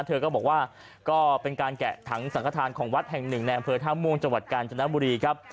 เธอก็บอกว่าก็เป็นการแกะถังสังขทานของวัดแห่งหนึ่งในอำเภอท่าม่วงจังหวัดกาญจนบุรีครับ